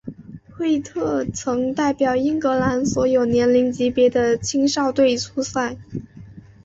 惠特曾代表英格兰所有年龄级别的青少队出赛。